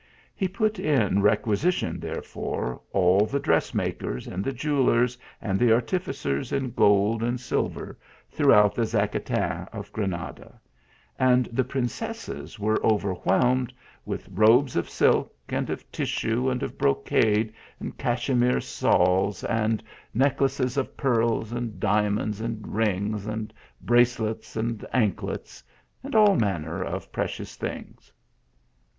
He put in requisi tion, therefore, all the dress makers, and the jewel lers, and the artificers in gold and silver throughout the Zacatin of Granada, and the princesses were overwhelmed with robes of silk, and of tissue and of brocade, and cachemire shawls, and necklaces of pearls, and diamonds, and rings, and bracelets, and anklets, and all manner of precious things.